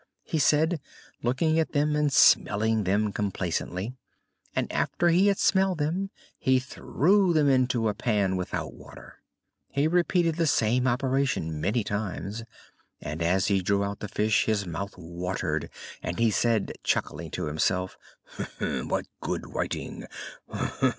he said, looking at them and smelling them complacently. And after he had smelled them he threw them into a pan without water. He repeated the same operation many times, and as he drew out the fish his mouth watered and he said, chuckling to himself: "What good whiting!"